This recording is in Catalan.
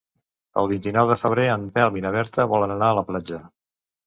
El vint-i-nou de febrer en Telm i na Berta volen anar a la platja.